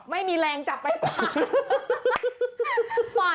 ไม่มีแรงจับไปกว่า